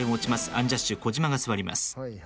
アンジャッシュ児嶋が座ります。